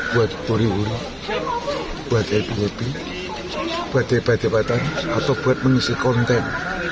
buat buri buri buat dprp buat dprp atau buat mengisi konten